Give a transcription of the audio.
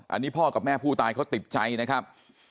อันนี้พ่อกับแม่ผู้ตายเขาติดใจนะครับ